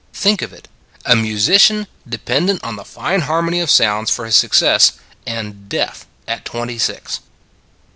Think of it! A musician, dependent on the fine har mony of sounds for his success and deaf at twenty six.